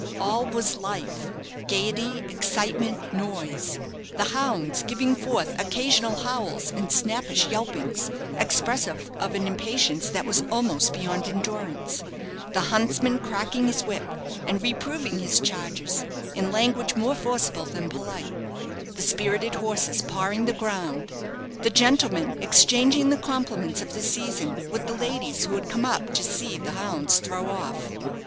All was life, gaiety excitement, noise; the hounds, giving forth occasional howls and snappish yelpings, expressive of an impatience that was almost beyond endurance; the huntsman cracking his whip, and reproving his charges in language more forcible than polite; the spirited horses pawing the ground; the gentlemen exchanging the compliments of the season with the ladies who had come up to see the hounds throw off.